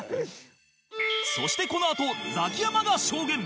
そしてこのあとザキヤマが証言